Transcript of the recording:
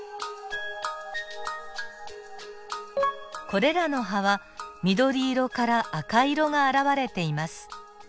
これらの葉は緑色から赤色が現れています。